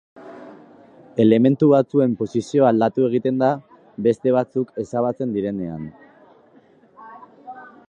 Elementu batzuen posizioa aldatu egiten da beste batzuk ezabatzen direnean.